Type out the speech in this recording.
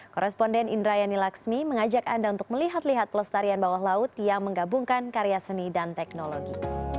koresponden indrayani laksmi mengajak anda untuk melihat lihat pelestarian bawah laut yang menggabungkan karya seni dan teknologi